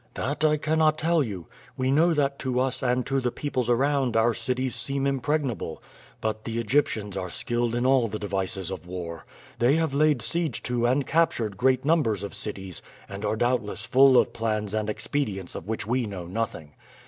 "That I cannot tell you. We know that to us and to the peoples around our cities seem impregnable. But the Egyptians are skilled in all the devices of war. They have laid siege to and captured great numbers of cities, and are doubtless full of plans and expedients of which we know nothing.